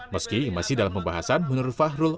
meski masih dalam pembahasan menurut fahrul